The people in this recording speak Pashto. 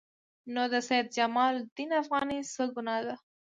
نو د سید جمال الدین افغاني څه ګناه ده.